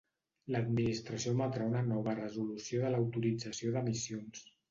L'administració emetrà una nova resolució de l'autorització d'emissions.